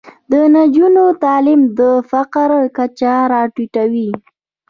د نجونو تعلیم د فقر کچه راټیټوي.